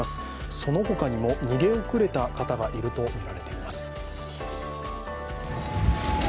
その他にも逃げ遅れた方がいるとみられています。